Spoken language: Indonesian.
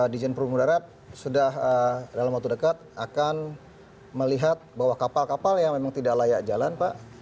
dijen perhubungan darat sudah dalam waktu dekat akan melihat bahwa kapal kapal yang memang tidak layak jalan pak